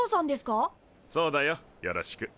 そうだよよろしく。